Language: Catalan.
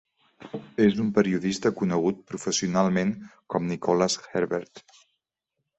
És un periodista conegut professionalment com Nicholas Herbert.